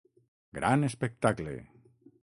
Gran espectacle!